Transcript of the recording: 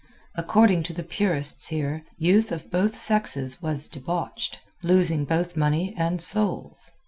According to the purists here youth of both sexes was debauched, losing both money and souls.